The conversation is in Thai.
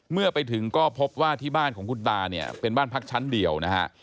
เมื่อไปถึงก็พบว่าที่บ้านของคุณตาเนี่ยเป็นบ้านพักชั้นเดียวนะฮะ